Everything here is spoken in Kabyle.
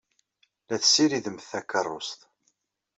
La tessiridemt takeṛṛust.